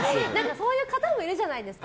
そういう方もいるじゃないですか。